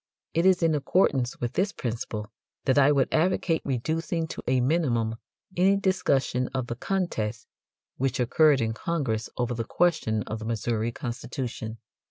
It is in accordance with this principle that I would advocate reducing to a minimum any discussion of the contest which occurred in Congress over the question of the Missouri constitution.